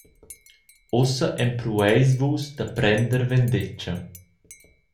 Ussa emprueis vus da prender vendetga?